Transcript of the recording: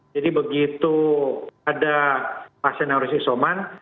jadi begitu ada pasien yang harus isoman